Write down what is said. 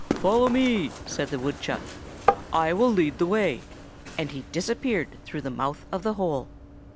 "Follow me," said the woodchuck; "I will lead the way." And he disappeared through the mouth of the hole.